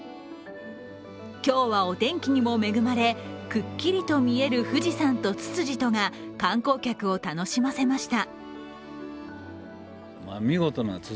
今日はお天気にも恵まれくっきりと見える富士山とツツジとが観光客を楽しませました。